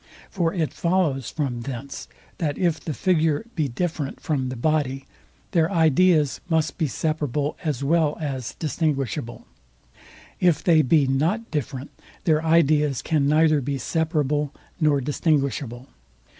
For it follows from thence, that if the figure be different from the body, their ideas must be separable as well as distinguishable: if they be not different, their ideas can neither be separable nor distinguishable.